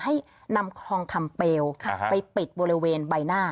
ให้นำทองคำเปลไปปิดบริเวณใบหน้า